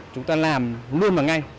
chúng ta làm luôn và ngay